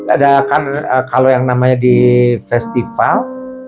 ada kan kalau yang namanya di festival